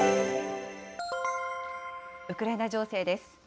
ウクライナ情勢です。